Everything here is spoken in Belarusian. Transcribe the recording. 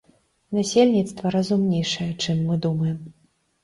Насельніцтва разумнейшае, чым мы думаем.